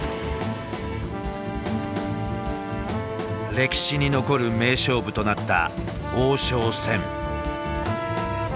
歴史に残る名勝負となった王将戦。